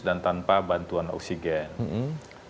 dan tanpa bantuan oksigen